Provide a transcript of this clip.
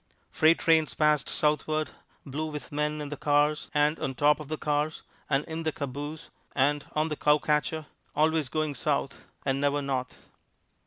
Freight trains passed southward, blue with men in the cars, and on top of the cars, and in the caboose, and on the cowcatcher, always going south and never north.